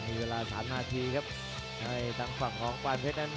อ้าวระวังบนโดดลาบระวังลาบโดดบน